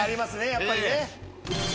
やっぱりね。